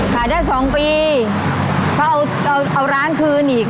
ขายได้๒ปีเขาเอาร้านคืนอีก